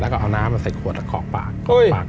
แล้วก็เอาน้ำมาใส่ขวดขอบปากขอบปาก